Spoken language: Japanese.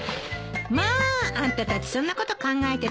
まああんたたちそんなこと考えてたの？